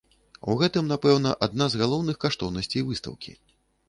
У гэтым напэўна адна з галоўных каштоўнасцей выстаўкі.